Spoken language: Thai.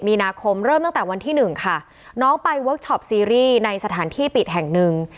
มีนาคมเริ่มตั้งแต่วันที่หนึ่งค่ะน้องไปเวิร์คชอปซีรีส์ในสถานที่ปิดแห่งหนึ่ง